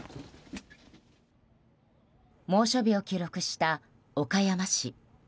猛暑日を記録した岡山市。